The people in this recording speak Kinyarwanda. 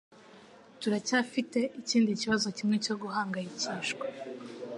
Turacyafite ikindi kibazo kimwe cyo guhangayikishwa